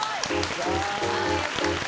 あよかった。